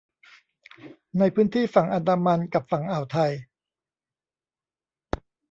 ในพื้นที่ฝั่งอันดามันกับฝั่งอ่าวไทย